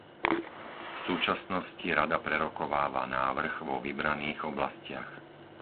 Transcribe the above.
V súčasnosti Rada prerokováva návrh vo vybraných oblastiach.